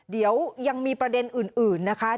เดี๋ยวยังมีประเด็นอื่นนะคะ